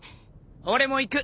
俺も行く。